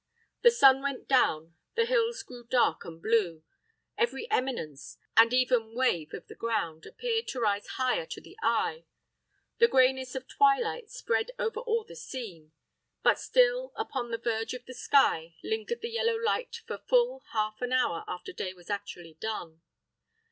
The sun went down; the hills grew dark and blue; every eminence, and even wave of the ground, appeared to rise higher to the eye; the grayness of twilight spread over all the scene; but still, upon the verge of the sky, lingered the yellow light for full half an hour after day was actually done.